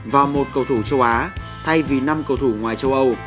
và một cầu thủ châu á thay vì năm cầu thủ ngoài châu âu